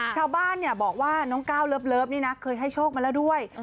ชาวบ้านบอกว่าน้องก้าวเลิฟนี่นะเคยให้โชคมาแล้วด้วย